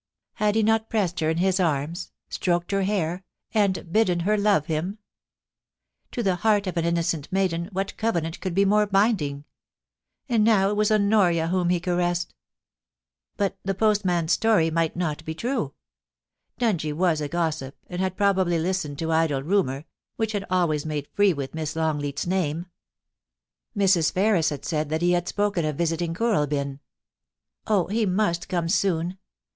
Had he not pressed her in his arms, stroked her hair, and bidden her love him ? To the heart of an innocent maiden what covenant could be more binding ? And now it was Honoria whom he caressed. TOM DUNGIE GOSSIPS. 2B1 But the postman's story might not be true. Dungie was a gossip, and had probably listened to idle rumour, which had always made free with Miss Longleafs name. ... Mrs. Ferris had said that he had spoken of visiting Kooralbyn. Oh, he must come soon